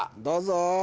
どうぞ。